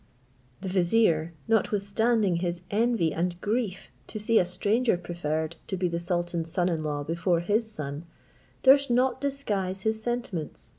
The vizier, notwithstanding his envy and grief to see a stranger preferred to be the sultan's son in law before his son, durst not disguise his sentiments.